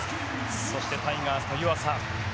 そしてタイガースの湯浅。